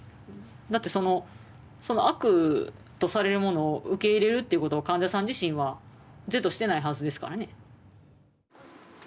だってその「悪」とされるものを受け入れるということを患者さん自身は是としてないはずですからね。